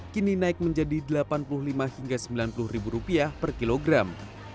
kini naik menjadi delapan puluh lima hingga sembilan puluh ribu rupiah per kilogram